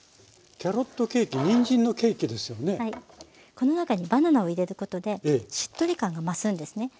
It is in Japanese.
この中にバナナを入れることでしっとり感が増すんですね。